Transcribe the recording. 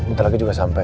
ntar lagi juga sampai